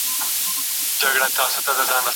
سمه خبره بايد په سمه توګه وکړو.